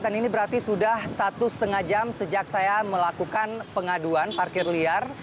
dan ini berarti sudah satu setengah jam sejak saya melakukan pengaduan parkir liar